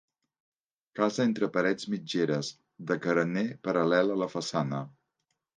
Casa entre parets mitgeres, de carener paral·lel a la façana.